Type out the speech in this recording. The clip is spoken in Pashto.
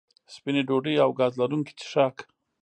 سپینې ډوډۍ او ګاز لرونکي څښاک